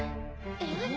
えっ？